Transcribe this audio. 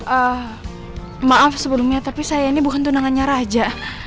eee maaf sebelumnya tapi saya ini bukan tunangannya raja